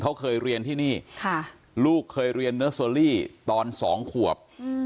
เขาเคยเรียนที่นี่ค่ะลูกเคยเรียนเนื้อตอนสองขวบอืม